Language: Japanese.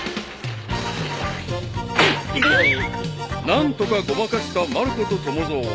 ［何とかごまかしたまる子と友蔵］